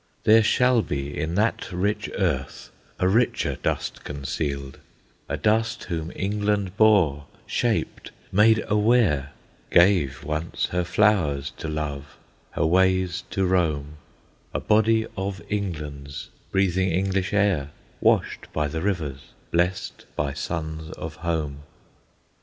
There shall be In that rich earth a richer dust concealed; A dust whom England bore, shaped, made aware, Gave, once, her flowers to love, her ways to roam, A body of England's, breathing English air, Washed by the rivers, blest by suns of home.